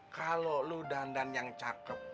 kalau lu dandan yang cakep